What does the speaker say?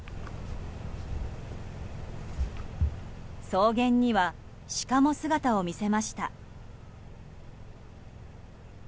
草原にはシカも姿を見せました。